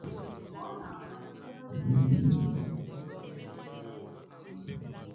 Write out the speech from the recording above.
Ka ọ na-agwa ndị ahụ ritere uru na nkwàdo ahụ okwu